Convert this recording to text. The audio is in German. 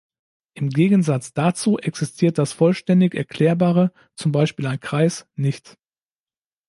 Im Gegensatz dazu existiert das vollständig Erklärbare, zum Beispiel ein Kreis, nicht.